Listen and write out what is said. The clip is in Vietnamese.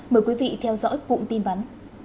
mời quý vị theo dõi cũng tin bắn